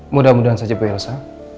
mudah mudahan saja bu elsa